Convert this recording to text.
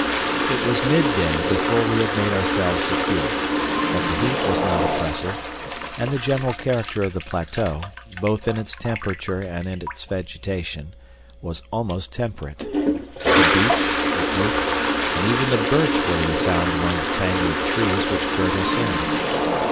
It was midday before we had made ourselves secure, but the heat was not oppressive, and the general character of the plateau, both in its temperature and in its vegetation, was almost temperate. The beech, the oak, and even the birch were to be found among the tangle of trees which girt us in.